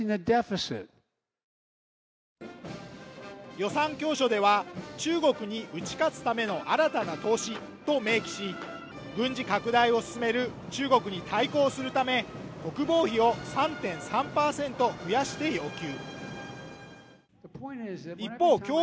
予算教書では、中国に打ち勝つための新たな投資と明記し、軍事拡大を進める中国に対抗するため、国防費を３．３％増やして要求